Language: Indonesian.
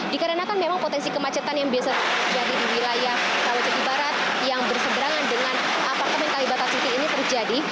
dikarenakan memang potensi kemacetan yang biasa terjadi di wilayah sulawesi barat yang berseberangan dengan apartemen kalibata city ini terjadi